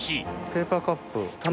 ペーパーカップ棚５５。